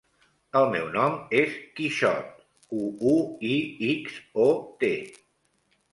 El meu nom és Quixot: cu, u, i, ics, o, te.